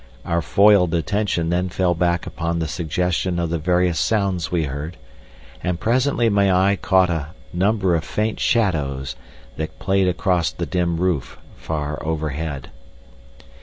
Our foiled attention then fell back upon the suggestion of the various sounds we heard, and presently my eye caught a number of faint shadows that played across the dim roof far overhead.